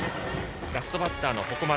ラストバッターの鉾丸。